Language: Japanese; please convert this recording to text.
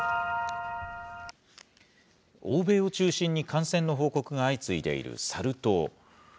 欧米を中心に感染の報告が相次いでいるサル痘。